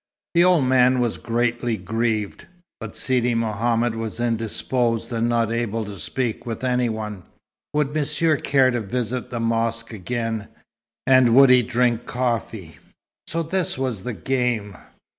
The old man was greatly grieved, but Sidi Mohammed was indisposed and not able to speak with any one. Would Monsieur care to visit the mosque again, and would he drink coffee? So this was the game!